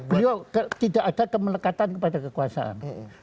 beliau tidak ada kemelekatan kepada kekuasaan